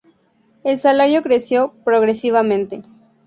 El salario creció progresivamente.